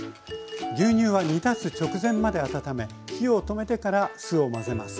牛乳は煮立つ直前まで温め火を止めてから酢を混ぜます。